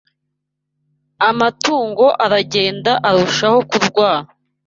Amatungo aragenda arushaho kurwara